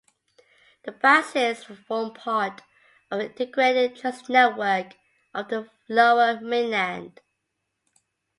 The buses form part of the integrated transit network of the lower mainland.